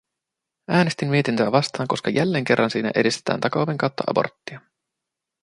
Äänestin mietintöä vastaan, koska jälleen kerran siinä edistetään takaoven kautta aborttia.